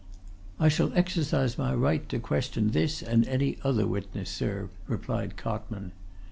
"I shall exercise my right to question this and any other witness, sir," replied Cotman.